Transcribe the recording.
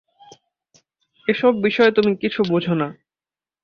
এ-সব বিষয় তুমি কিছু বোঝ না।